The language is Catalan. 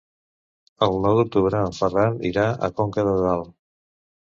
El nou d'octubre en Ferran irà a Conca de Dalt.